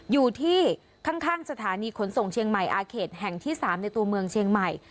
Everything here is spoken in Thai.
อยู่ที่ข้างสถานีขนส่งเชียงใหม่อาเขตแห่งที่๓ในตัวเมืองเชียงใหม่